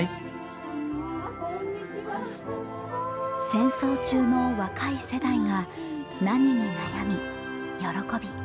戦争中の若い世代が何に悩み喜び